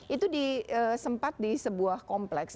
itu disempat di sebuah kompleks